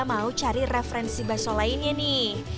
saya mau cari referensi baso lainnya nih